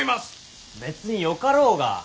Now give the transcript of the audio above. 別によかろうが。